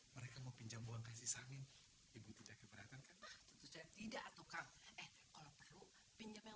mereka mau pinjam buang kasih samin ibu tidak keberatan tidak atau kalau baru pinjam yang